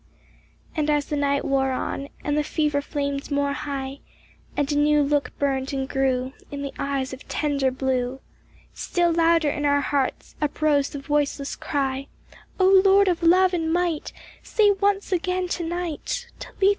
" And as the night wore on, and the fever flamed more high, And a new look burned and grew in the eyes of tender blue, Still louder in our hearts uprose the voiceless cry, " O Lord of love and might, say once again to night, Talitha cumi !